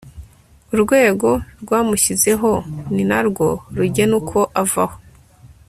urwego rwamushyizeho ni na rwo rugena uko avaho